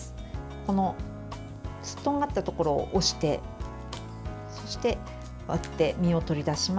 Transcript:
このとんがったところを押してそして、割って実を取り出します。